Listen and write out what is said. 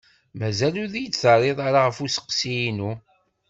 Mazal ur iyi-d-terriḍ ɣef usteqsi-inu.